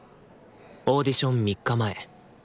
オーディション３日前。